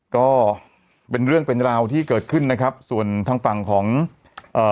ก็เป็นเรื่องเป็นราวที่เกิดขึ้นนะครับส่วนทางฝั่งของเอ่อ